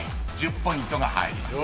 １０ポイントが入ります］